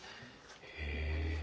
へえ。